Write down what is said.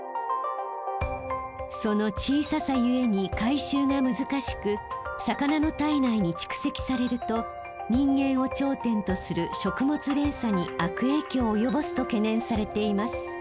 その小ささゆえに回収が難しく魚の体内に蓄積されると人間を頂点とする食物連鎖に悪影響を及ぼすと懸念されています。